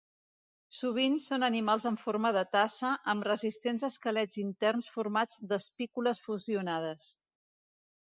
Sovint són animals en forma de tassa, amb resistents esquelets interns formats d'espícules fusionades.